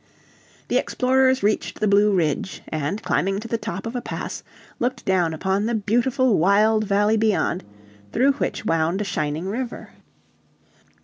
The explorers reached the Blue Ridge, and, climbing to the top of a pass, looked down upon the beautiful wild valley beyond, through which wound a shining river.